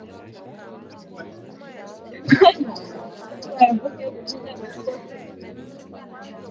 Watu waepuke kuchinja mifugo kipindi cha mlipuko wa ugonjwa